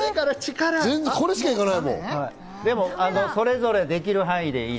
でもそれぞれできる範囲でいい。